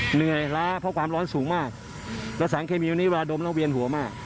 เหนื่อยล้าเพราะความร้อนสูงมากแล้วสารเคมีวันนี้เวลาดมแล้วเวียนหัวมาก